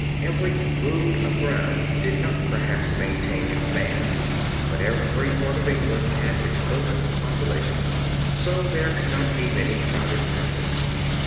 Every rood of ground did not perhaps maintain its man, but every part of England had its quota of population so that there could not be many crowded centers.